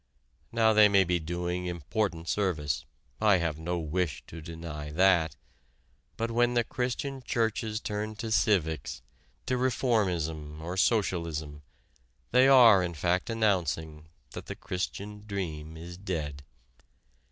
Now they may be doing important service I have no wish to deny that but when the Christian Churches turn to civics, to reformism or socialism, they are in fact announcing that the Christian dream is dead.